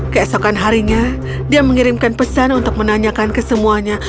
keesokan harinya dia mengirimkan pesan untuk menanyakan ke semuanya